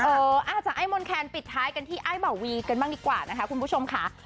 เออจากไอ้มนแคนปิดท้ายกันที่ไอ้เบาวีกันบ้างดีกว่านะคะคุณผู้ชมค่ะ